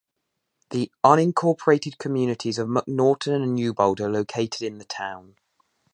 The unincorporated communities of McNaughton and Newbold are located in the town.